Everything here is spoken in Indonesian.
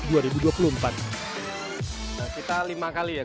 dan di depan akan mencapai dua puluh empat tahun